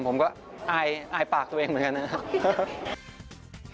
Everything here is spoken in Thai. ผมก็อายปากตัวเองเหมือนกันนะครับ